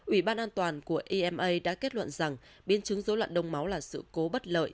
ủy ban an toàn của ima đã kết luận rằng biến chứng dối loạn đông máu là sự cố bất lợi